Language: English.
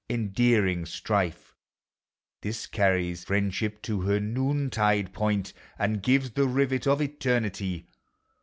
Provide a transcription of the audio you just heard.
endearing strife! This carries friendship to her noontide point. And gives the rivet of eternity.